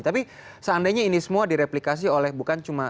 tapi seandainya ini semua direplikasi oleh bukan cuma